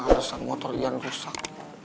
alasan motor yan rusak